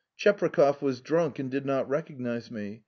Cheprakov was drunk and did not recognise me.